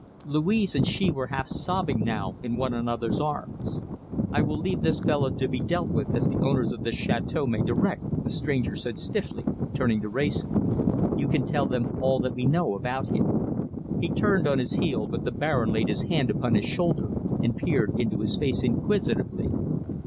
Louise and she were half sobbing now in one another's arms. "I will leave this fellow to be dealt with as the owners of the chateâu may direct," the stranger said stiffly, turning to Wrayson. "You can tell them all that we know about him." He turned on his heel, but the Baron laid his hand upon his shoulder and peered into his face inquisitively.